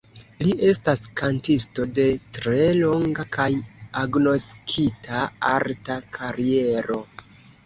Li estas kantisto de tre longa kaj agnoskita arta kariero.